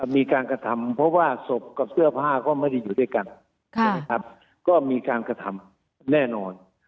มีการกระทำเพราะว่าศพกับเสื้อผ้าก็ไม่ได้อยู่ด้วยกันก็มีการกระทำแน่นอน